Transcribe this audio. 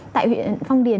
tại huyện phong điền